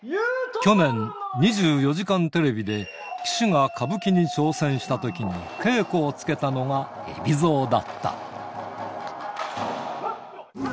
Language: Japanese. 去年、２４時間テレビで岸が歌舞伎に挑戦したときに、稽古をつけたのが海老蔵だった。